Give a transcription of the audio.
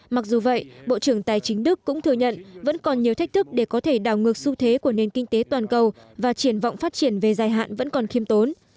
mặc dù vậy bộ trưởng tài chính đức cũng thừa nhận vẫn còn nhiều thách thức để có thể đảo ngược xu thế của nền kinh tế toàn cầu và triển vọng phát triển về dài hạn vẫn còn khiêm tốn